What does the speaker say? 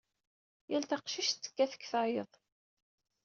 Yal taqcict tekkat deg tayeḍ.